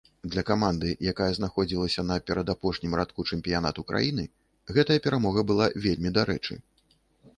Для каманды, якая знаходзілася на перадапошнім радку чэмпіянату краіны, гэтая перамога была вельмі дарэчы.